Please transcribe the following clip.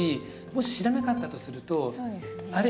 もし知らなかったとするとあれ？